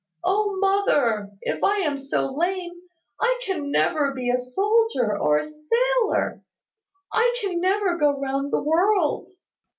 "O, mother, if I am so lame, I can never be a soldier or a sailor. I can never go round the world!"